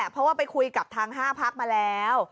เพราะว่าไปคุยกับทาง๕พักมาแล้ว